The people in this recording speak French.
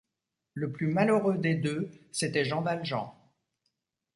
Le plus malheureux des deux, c’était Jean Valjean.